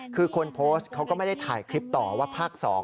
คือคนโพสต์เขาก็ไม่ได้ถ่ายคลิปต่อว่าภาค๒